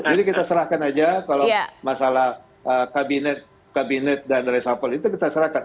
jadi kita serahkan saja kalau masalah kabinet dan resapol itu kita serahkan